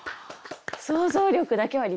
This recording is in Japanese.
想像力だけは立派ですね。